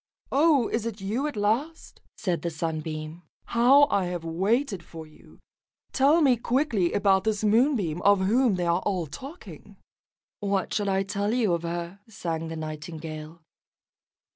"Oh, is it you at last?" said the Sunbeam. "How I have waited for you. Tell me quickly about this Moonbeam of whom they are all talking." "What shall I tell you of her?" sang the Nightingale.